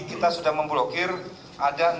kita sudah memblokir ada